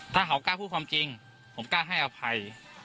ถ้าเขากล้าพูดความจริงผมกล้าให้อภัย